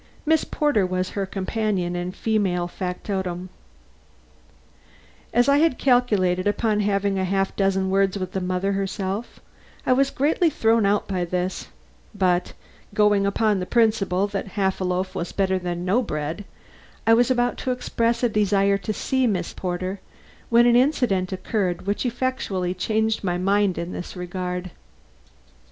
Miss Porter was her companion and female factotum. As I had calculated upon having a half dozen words with the mother herself, I was greatly thrown out by this; but going upon the principle that "half a loaf was better than no bread," I was about to express a desire to see Miss Porter, when an incident occurred which effectually changed my mind in this regard.